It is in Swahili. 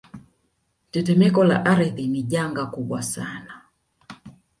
Tetemeko la ardhi ni janga kubwa sana